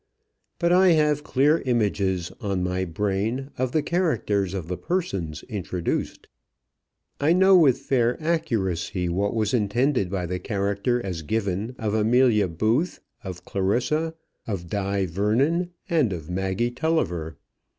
But I have clear images on my brain of the characters of the persons introduced. I know with fair accuracy what was intended by the character as given of Amelia Booth, of Clarissa, of Di Vernon, and of Maggie Tulliver.